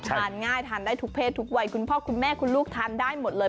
ทานง่ายทานได้ทุกเพศทุกวัยคุณพ่อคุณแม่คุณลูกทานได้หมดเลย